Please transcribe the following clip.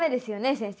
先生。